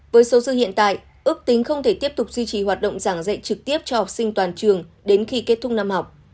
với số dư hiện tại ước tính không thể tiếp tục duy trì hoạt động giảng dạy trực tiếp cho học sinh toàn trường đến khi kết thúc năm học